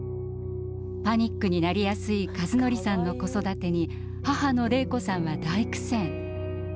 パニックになりやすい一法さんの子育てに母の礼子さんは大苦戦。